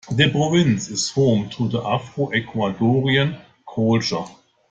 The province is home to the Afro-Ecuadorian culture.